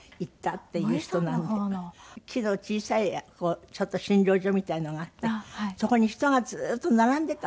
木の小さい診療所みたいなのがあってそこに人がずっと並んでいたのね。